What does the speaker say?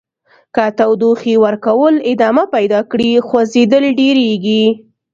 که تودوخې ورکول ادامه پیدا کړي خوځیدل ډیریږي.